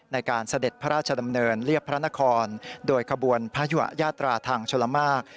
ในการเสด็จพระราชดำเนินเรียบพระนครโดยกระบวนพญวะญาตราทางชุรมาก